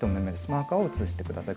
マーカーを移して下さい。